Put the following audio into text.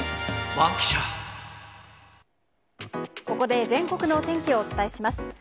ここで全国のお天気をお伝えします。